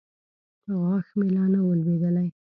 غاښ مې لا نه و لوېدلى.